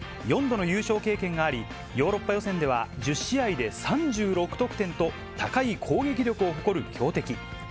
４度の優勝経験があり、ヨーロッパ予選では１０試合で３６得点と、高い攻撃力を誇る強敵。